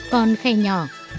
con khe nhỏ